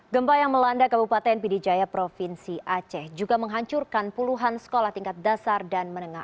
gempa yang melanda kabupaten pidijaya provinsi aceh juga menghancurkan puluhan sekolah tingkat dasar dan menengah